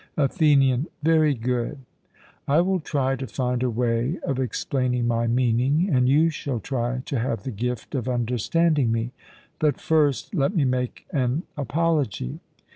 ATHENIAN: Very good; I will try to find a way of explaining my meaning, and you shall try to have the gift of understanding me. But first let me make an apology.